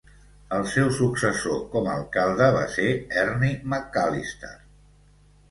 El seu successor com alcalde va ser Ernie McAlister.